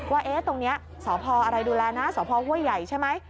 ว่าตรงนี้สพอะไรดูแลนะสพห้วยใหญ่ใช่ไหม